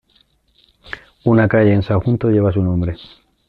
Una calle en Sagunto lleva su nombre.